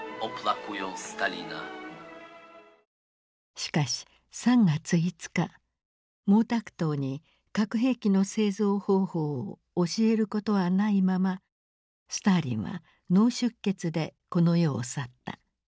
しかし３月５日毛沢東に核兵器の製造方法を教えることはないままスターリンは脳出血でこの世を去った。